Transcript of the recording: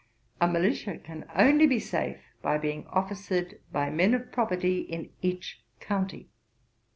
A militia can only be safe by being officered by men of property in each county.'